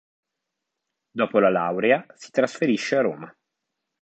Dopo la laurea si trasferisce a Roma.